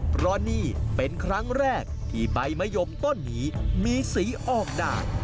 เพราะนี่เป็นครั้งแรกที่ใบมะยมต้นนี้มีสีออกด่าน